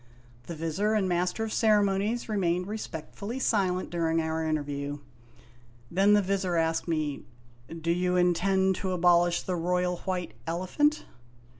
The Vizir and Master of Ceremonies remained respectfully silent during our interview. Then the Vizir asked me: "Do you intend to abolish the Royal White Elephant